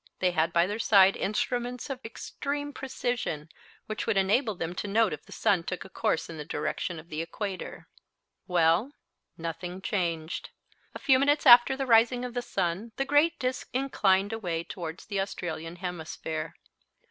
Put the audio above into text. They had by their side instruments of extreme precision which would enable them to note if the sun took a course in the direction of the equator. Well, nothing changed. A few minutes after the rising of the sun the great disc inclined away towards the Australian hemisphere.